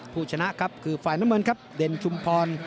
ผู้ชนะครับคือฝ่ายน้ำเงินครับเด่นชุมพร